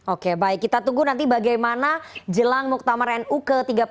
oke baik kita tunggu nanti bagaimana jelang muktamar nu ke tiga puluh satu